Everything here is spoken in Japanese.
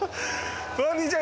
こんにちは。